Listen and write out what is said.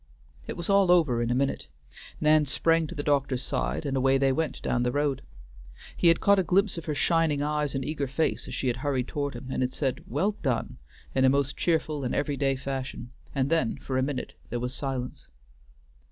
It was all over in a minute. Nan sprang to the doctor's side and away they went down the road. He had caught a glimpse of her shining eyes and eager face as she had hurried toward him, and had said, "Well done!" in a most cheerful and every day fashion, and then for a minute there was silence.